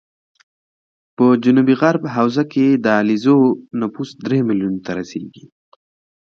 په جنوب غرب حوزه کې د علیزو نفوس درې ملیونو ته رسېږي